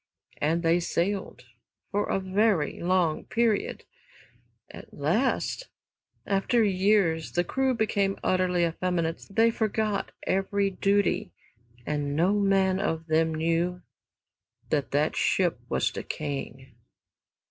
And they sailed for a very long period. At last, after years, the crew became utterly effeminate, they forgot every duty, and no man of them knew that that ship was decaying.